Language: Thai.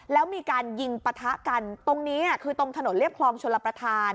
แล้วมีการยิงปะทะกันตรงนี้คือตรงถนนเรียบคลองชลประธาน